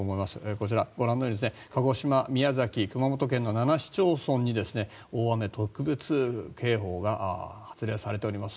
こちら、ご覧のように鹿児島宮崎、熊本県の７市町村に大雨特別警報が発令されております。